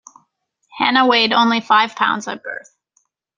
Hannah weighed only five pounds at birth.